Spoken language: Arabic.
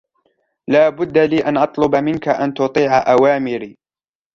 لا بد لي أن أطلب منك أن تطيع أوامري.